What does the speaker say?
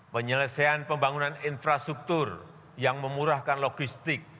penyelesaian pembangunan infrastruktur yang memurahkan logistik